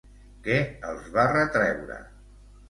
Què els va retreure?